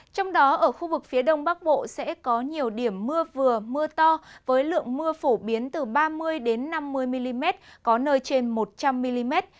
trong đó ở khu vực phía đông bắc bộ sẽ có nhiều điểm mưa vừa mưa to với lượng mưa phổ biến từ ba mươi năm mươi mm có nơi trên một trăm linh mm